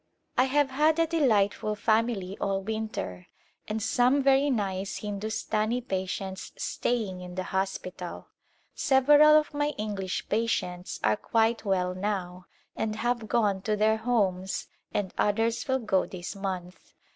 I have had a delightful family all winter and some very nice Hindustani patients staying in the hospital. Several of my English patients are quite well now and [ 129] A Glimpse of India have gone to their homes and others will go this month.